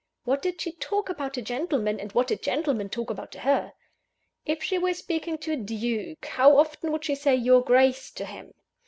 What did she talk about to gentlemen, and what did gentlemen talk about to her? If she were speaking to a duke, how often would she say "your Grace" to him?